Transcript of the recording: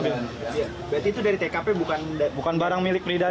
berarti itu dari tkp bukan barang milik pelaku ya pak